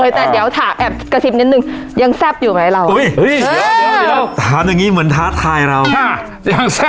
จริงโอ้โหแค่เสื้อพี่โน่นุ่มเรียกว่าติดทีมชาติชุดเอ